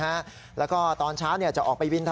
พระขู่คนที่เข้าไปคุยกับพระรูปนี้